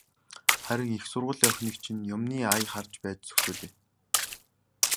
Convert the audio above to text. Харин их сургуулийн охиныг чинь юмны ая харж байж зохицуулъя.